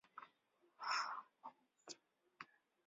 黄热病疫苗不应该用于出现症状的爱滋病患者。